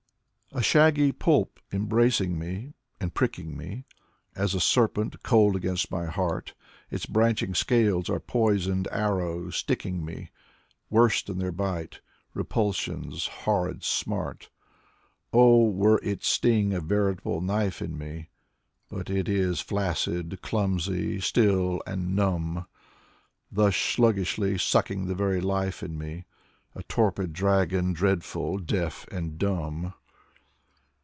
A shaggy poulp, embracing me, and pricking me, And as a serpent cold against my heart, Its branching scales are poisoned arrows sticking me ; Worse than their bite : repulsion's horrid smart. Oh, were its sting a veritable knife in me! But it is flaccid, clumsy, still and numb. Thus sluggishly sucking the very life in me, A torpid dragon, dreadful, deaf, and dumb.